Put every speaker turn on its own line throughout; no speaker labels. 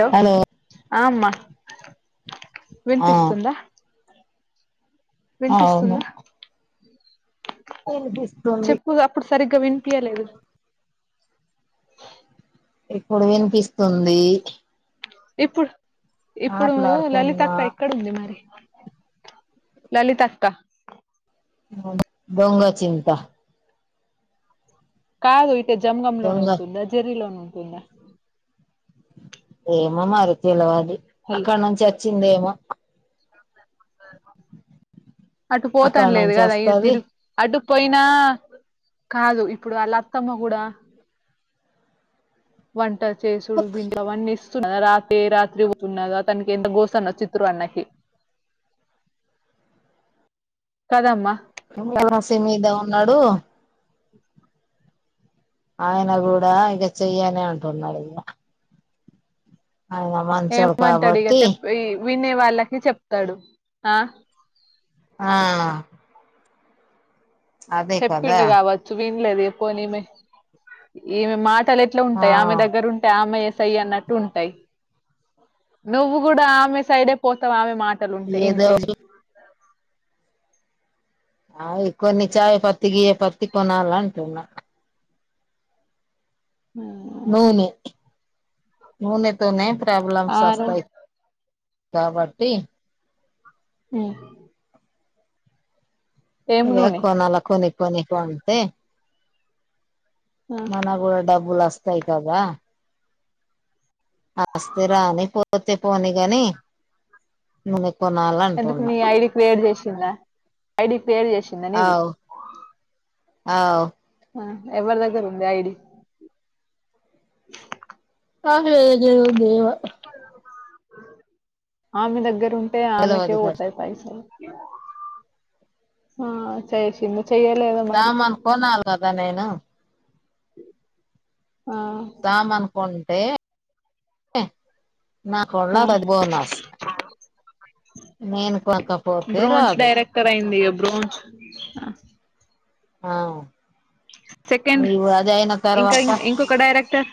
Hello ఆ అమ్మా
ఆ
వినిపిస్తుందా
అవును
వినిపిస్తుందా
వినిపిస్తుంది
చెప్పు అప్పుడు సరిగ్గా వినిపియలేదు అ
ఇప్పుడు వినిపిస్తుంది
ఇప్పుడు ఇప్పుడు లలిత
మాట్లాడుతున్నా
అక్క ఎక్కడున్ది మరి లలిత అక్క
దొంగ చింత
కాదు ఇట జంగం లోనే
దొంగ
ఉంటుందా జరీ లోనే ఉంటుందా
ఏమో మరి తెలవదు
హలో
అక్కడ నుంచి వచ్చిందేమో
అటు
అక్కడ
పోతాను లేదు
నుంచి
కదా అ
వస్తది
తిరు అటు పోయినా కాదు ఇప్పుడు అలా అత్తమ్మా కూడా వంట చేసుడు బింట్లో వన్నెస్ రాత్రి రాత్రి వన్నదా తనకి ఎంత గోస్తు అన్న చిత్రు అన్నకి కదా మ్మా
ఇంగ వసి మీదే ఉన్నాడు ఆయన కూడా ఇక చెయ్యనే అంటున్నాడు ఇక ఆయన మంచోడు
ఏమమంటాడు ఇక
కాబట్టి
చెప్ప వినే వాళ్ళకి చెప్తాడు ఆ
ఆ అదే కదా
చెప్పిండు కావచ్చు మీ లేదు ఎ పోనిమె ఈమె మాటలు ఎట్లా
ఆ
ఉంటాయి ఆమె దగ్గర ఉంటే ఆమె సై అన్నట్టు ఉంటాయి నువ్వు కూడా ఆమె సైడే పోతావు ఆమె మా పంటలు ఉంటాయి
ఏదో
ఏంటే
అవి కొన్ని చాయ పత్తి గియ పత్తి కొనాల అంటున్నా నూనె నూనెతేనే
ఆ
ప్రాబ్లమ్స్
నువ్వు
వస్తాయి కాబట్టి
ఉ
ఇ
నూనె
కొనలా కొనిక్ కొని కొంటె
ఆ,
మన కూడా డబ్బులు వస్తాయి కదా వస్తే రాని పోతే పోని గానిన
ఎందుకు మీ ఐడి క్రియేర్ చేసిందా ఐడి క్రియేర్ చేసిందాని నీది
అవు అవు
ఎవరి దగ్గర ఉంది ఐడి
[unintelligible]
ఆమె దగ్గర ఉంటే ఆమెకే
తెలవదు కదా
పోతాయి పైసలు ఆ చేైసింది
సామాన్ కొనలే కదా నేను
ఆ,
సామను కొంటె నా కొళ
ఆ.
అది బోన్నస్ నేను కాకపోతే రాదు
రోజ్
ఆ
సెకండ్
నీవు అది అయిన
ఇంకా
తర్వాత
ఇంకొక డైరెక్టర్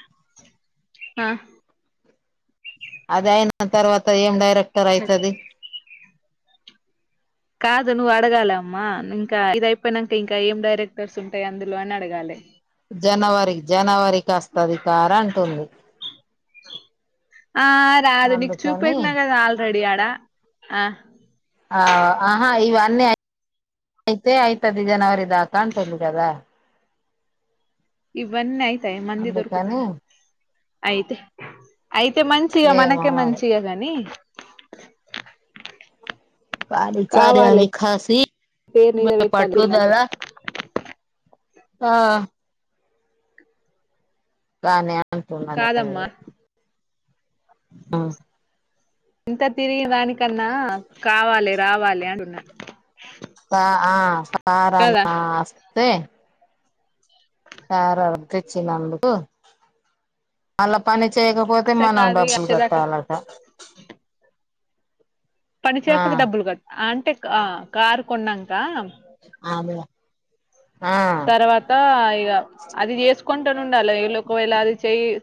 ఆ
అద అయిన తర్వాత ఏం డైరెక్టర్ అయితుది
కాదు నువ్వు అడగాలి అమ్మా ఇంకా ఇది అయిపోయినాక ఇంకా ఏం డైరెక్టర్స్ ఉంటాయి అందులో అని అడగాలి
జనవరి జనవరికి వస్తుది సార్ అంటుంది
ఆ రాదు నీకు చూప
అందుకని
పెట్టినా కదా ఆల్రెడీ ఆడా ఆ
ఆ ఆహా ఇవన్నీ అయితే అయితుది జనవరి దాకా అంటుంది కదా
ఇవన్న అయితాయి మల్లి
అందుకని
దొరుకుతారా అయితే అయితే మంచిగా
ఏమో
మనకే
మరి
మంచిగా గాని
పారి చారి
కావాలి
అవిఖాసి
పేరు
బ
మీద పెట్టాలి
పట్టు
తిరిగినంత
దాల ఆ కాగనీ అంటన్నానేను
కాదమ్మా
కూడా
ఇంత తిరిగి దానికన్నా కావాలి రావాలి అంటున్నారు
ఆ
కదా
సారామా అస్తస్తే [unintelligible] వర అర్ధచ్చి నన్నకు [unintelligible] అళ్లా పని చేయకపోతే
అస
మనం
కాదు ఇగ
డబ్బులు
వచ్చేదాకా
కట్టాలట
పని
ఆ
చేయకపోతే డబ్బులు కదా అంటే కారు కొన్నాక
ఆనుగా
తర్వాత ఇగ్ ఇగ అది చేసుకుంటూనే ఉండాలే ఒకవేళ అది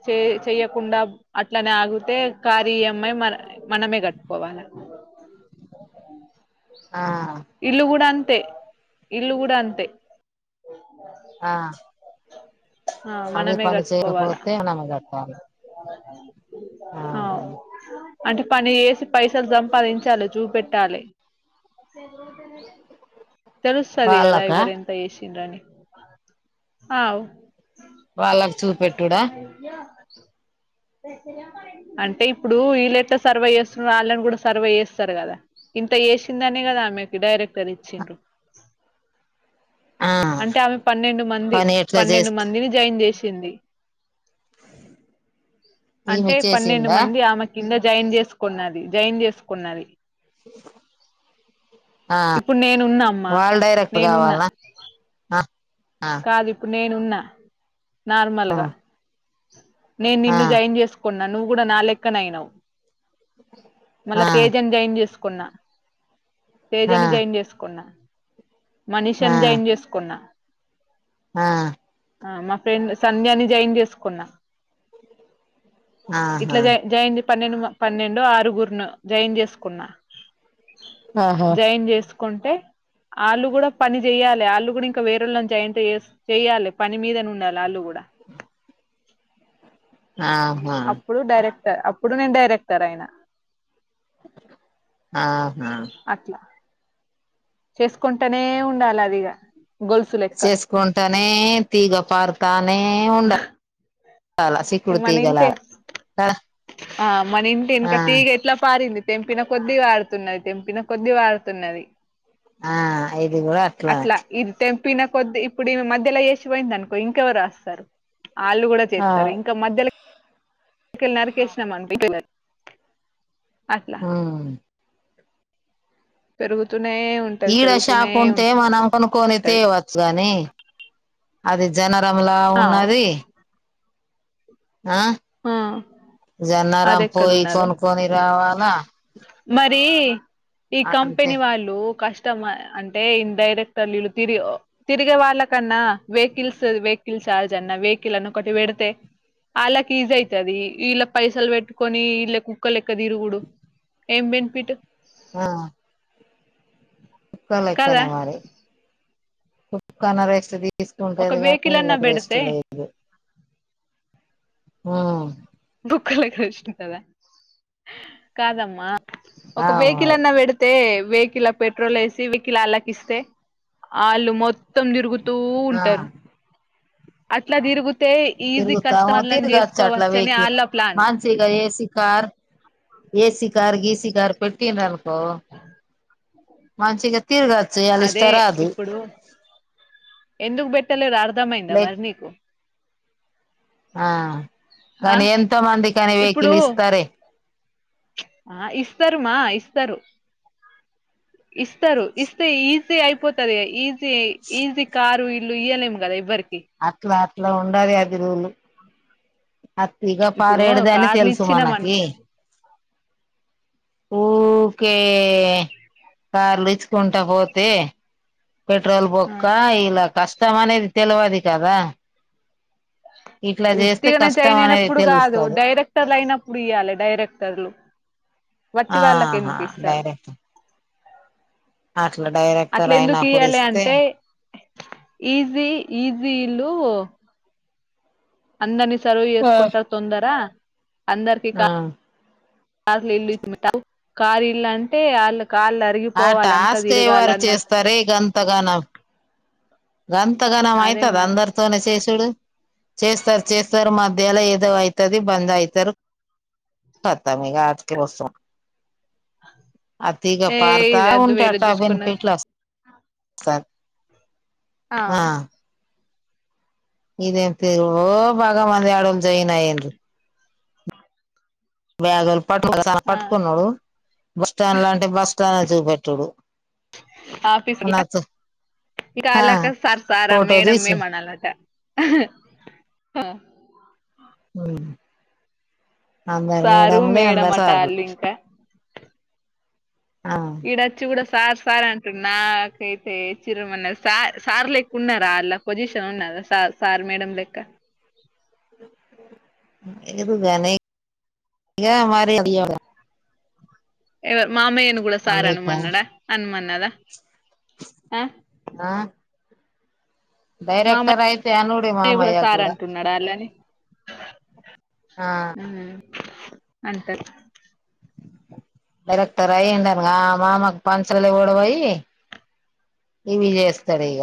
చె చెయకుండా అట్లనే ఆగు తే కారు ఈ ఏం అయి మన మనమే కట్టుకోవాల
ఆ
ఇల్లు కూడా అంత్ తే ఇల్లు కూడా అంతే
ఆ
ఆ
అది
మనమే
పని
కట్టుకోవాల
చేకపోతే మనం గట్టలి
అవ్ అంటే పని చేసి పైసలు సంపాదించాలి చూపెట్టాలి తెలుసాదిగదా
వాళ్ళకా
ఎవరెంత చేసిండ్రని అవ్
వాళ్ళకు చూపెట్టుడా
అంటే ఇప్పుడు వీలెట్ల సర్వే చేస్తున్నారు వాళ్ళకి కూడా సర్వే చేస్తారు కదా ఇంత చేసిందనే కదా ఆమెకి డైరెక్టర్ ఇచ్చిండ్రు
ఆ
అంటే ఆమె పన్నెండు మంది
పని ఎట్లా
పన్నెండు
చేస్త
మందిని జాయిన్ చేసింది
ఈమె
అంటే పన్నెండు
చేసిందా
మంది ఆమె కింద జాయిన్ చేసుకున్నది జాయిన్ చేసుకున్నది
ఆ
ఇప్పుడు నేనున్నా అమ్మా
వాళ్ళ డైరెక్ట్
నేనున్నా
కావాలా ఆ ఆ
కాదు ఇప్పుడు నేనున్నా
ఆ
నార్మల్గా నేను
ఆ
నిన్ను జాయిన్ చేసుకున్నా నువ్వు కూడా నా లెక్కన అయినావు మళ్ళా తేజని జాయిన్ చేసుకున్నా
ఆ ఆ
తేజని జాయిన్ చేసుకున్నా మనిషని జాయిన్ చేసుకున్నా
ఆ ఆ
ఆ మా ఫ్రెండ్ సంధ్యని జాయిన్ చేసుకున్నా
ఆహా
ఇట్లా జ జైన్ పన్నెండు పన్నెండు ఆరుగురునో జయిన్ చేసుకున్నా
ఆహా
జైయిన్ చేసుకుంటే ఆళ్లు కూడా పని చెయ్యాలే ఆళ్లు కూడా ఇంకా వేరేళ్ళని జాయింట్ చెయ్యాలి పని మీదని ఉండాలి ఆళ్లు కూడా
ఆహా
అప్పుడు డైరెక్టర్ అప్పుడు నేను డైరెక్టర్ అయిన
ఆహా
చేసుకుంటానే ఉండాలి అదిఇగ
చేసుకుంటానే తీగ పారుతానే ఉండాల్ అలా సేకృతి
మన
గల
ఇంటే
అలా
ఆ మన ఇంటి ఎనక తీగ ఎట్లా ప పారింది తెంపిన కొద్ది వాడుతున్నది తెంపిన కొద్ది వాడుతున్నది
ఆ ఇది గూడ అట్లానే
పిన కొద్ది ఇప్పుడు ఈమే మధ్యలో ఎసిపోయింది అనుకో ఇంకెవరు రాస్తారు వాళ్ళు కూడా
ఆ
చేస్తారు ఇంకా మధ్యలో కెళ్ళినరు [unintelligible]
ఉమ్
పెరుగుతు పెరుతూనే ఉంటది
ఈడ
పెరుగుతూనే
షాప్ ఉంటే
ఉంట్
మనం కొనుక్కొని
ఉంటది
తేవచ్చు గాని అది జనరంలా
అవ్
ఉన్నది ఆ
ఆ
జన్నర పోయి కొనుక్కొని రావాలా
మరీ ఈ
అంటే
కంపెనీ వాళ్ళు కష్ అంటే ఇన్ డైరెక్టర్ వీళ్ళు తిరి తిరిగే వాళ్ళకన్నా వెహికల్స్ వెహికల్స్ చార్జ అన్న వెహికల్ అన్న ఒకటి పేడితే ఆల్ల ఈజీ అయితది ఇల్లె పైసలు పెట్టుకొని ఇల్ళ కుక్కల లెక్క తిరుగుడు ఏం బెనిఫిట్
కుక్కల
కదా
లేక్కనే మారీ కుక్కన్న రెస్ట్ తీసు
ఒక
తీసుకుంటది గానీ
వెహికల్ అన్నా
ఇల్లకు రెస్ట్
పెడితే
లేదు ఆ
కుక్క లెక్క చూసిర్రు కాదమ్మా ఒక
అవు
వెహికల్
మరి
అన్నా పెడితే వెకిల్ ల పెట్రోల్ వేసి వెకిల్ అళ్ళకి ఇస్తే వాళ్ళు మొత్తం తిరుగు
ఆ
అట్లా తిరిగితే ఈజీ కస్టమర్ని చేసు
వెకి మాన్సిగా ఏసి కార్ ఏసి కార్ గీసి కార్ పెట్టు పెట్టిర్రు అనుకో మంచిగా తిరగచ్చు ఇయాల ఇష్ట
అదే
రాదు
ఇప్పుడు ఎందుకు పెట్ ట్టిర్రు అర్థమైందా
లేక్
మరి నీకు
ఆ
ఆ
కానీ ఎంతో మంది కాని
ఇప్పుడు
వెహికల్ ఇస్తారే
ఆ ఇస్తారు మా ఇస్తారు ఇస్తారు ఇస్తే ఈజీ అయిపోతాది కదా ఈజి ఈజి కారు ఇల్లు ఇయ్య లేము కదా ఎవ్వరికి
అట్లా అట్లా ఉండాది అది రులు
ఇప్పుడు
అని
కార్లు
తెలుసు
ఇచ్చినాం
మనకి
అనుకో
ఊకే కార్లు ఇచ్చుకుంటా పోతే పెట్రోల్
ఆ
బొక్క ఇలా కష్టం అనేది తెలువది కదా ఇట్లా చేస్తే
ఉత్తిగానే
కష్టం
జయిన్
అనేది
అయినప్పుడు కాదు
తెలుస్తది
డైరెక్టర్లు అయినప్పుడు ఇయాలి డైరెక్టర్లు వట్టి వాళ్ళకు
ఆహా
ఎందుకు ఇస్తారు.
డైరెక్టర్ అట్లా
అట్ల
డైరెక్టర్
ఎందుకు
అయినప్పుడు
ఇయ్యాలే
ఇస్తే
అంటే ఈజీ ఈజీ ఇల్లు అందని సర్వ్ చేసుకుంటా
ఆ
తొందరా అందరికి కార్ల్ కార్ ఇల్ కారు ఇల్లు అంటే ఆళ్లకు కాళ్ళు
ఆ
అరిగిపోవాల అంత
టాస్క్
తిరగాలి
ఎవరు
అన్నట్టు
చేస్తారే గంత గనం
అదే
అయితద
మరి
అందరితోనే చేసుడు చేస్తారు చేస్తారు మధ్యలో ఏదో అయితది బంద్ అయితారు కతం మీగా ఆడికే ఏం వోస్తం అతిగా
ఏ
పడతా
ఇది అద్దు
ఉంటా
వేరే
అట్ట
చూసుకున్నది
బెనిఫిట్లు అస్త సరే
ఆ
ఇదేం తీరుగూడు బగ మంది ఆడోళ్ళు జయన్ అయ్యిర్రు బ్యాగులు పట్టు
ఆ
పట్టుకున్నాడు బస్ స్టాండ్ లాంటి బస్ స్టాండ్ ల చూపెట్టుడు
ఆఫీస్ ల
నాతో
ఇక
ఆ
అల్లకు సార్ సార్
ఫోటో తీసి
మేడం అనాలంట ఆ
అందారు
సారు
మేడంలే
మేడం
అందారు
అట
సార్లే
ఆళ్ళు ఇంకా
ఆ
ఈడచ్చి కూడా సార్ సార్ అంటు నాకైతే చిరుమన్నాది సార్ లేక్క ఉన్నారా అళ్ళ పొజిషన్ ఉన్నాద సార్ సార్ మేడం లెక్క
అది మరి ఇంకా
ఎవ మామయ్యను కూడా సార్
అందుకని
అనుమన్నాడా అనుమన్నద
ఆ డైరెక్టర్ అయితే అనుడే
మామయ్య కూడా
మామయ్య
సార్ అంటున్నాడ వాళ్ళని
ఆ
ఉమ్ అంటా
డైరెక్టర్ అయియండ అనుగా మామకు పంచలే గొడవై ఇవి చేస్తారు ఇక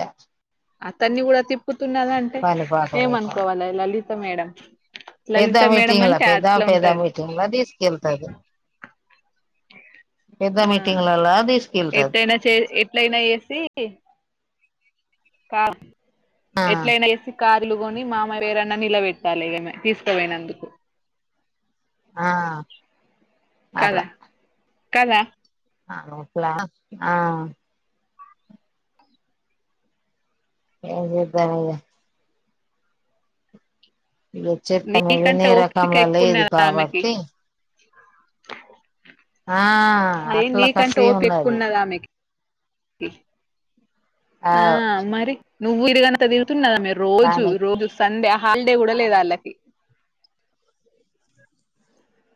అతన్ని కూడా తిప్పుతున్నదంటే
పని
ఏమనుకోవలీ లలిత మేడం
పెద్దా
లలిత మేడం
మీటింగ్లా
అంటే
పెద్దా
అట్లా
పెదా
ఉంటది
మీటింగ్లా తీసుకెళ్తాది
ఆ
తీసుకెళ్తది
ఎట్లయినా చే ఎట్లయినా చేసి కా
ఆ
ఎట్లేనే కార్లు కొని మామ పేరన్నా నిలబెట్టాలిమె తీసుకుపోయినందుకు
ఆ అర్లా
కాదా
లా ఆ ఏం చేద్దాం ఇక ఇగ చెత్తమే
నీకంటే
వినే
ఓపిక
రకంలో లేదు
ఎక్కువండదా ఆమెకి
కాబట్టి ఆ
అదే
అట్లా
నీకంటే
కసి
ఓపి
ఉన్నది
ఎక్కున్నదామెకి ఆ మరి నువ్వు ఊరిగత తిగుతున్నదా మీరు రోజు
కానీ
రోజు సండే హాలిడే కూడా లేదు వాళ్ళకి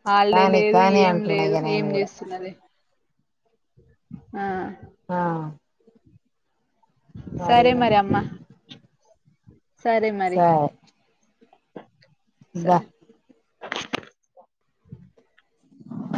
హాలిడే
కానీ
లేదు
కానీ
ఏం
అంటున్నా
లేదు
ఇగ నేను
ఏం
కూడా
చేస్తున్నది ఆ
ఆ
సరే మరి అమ్మా సరే మరి
వాహ
సరే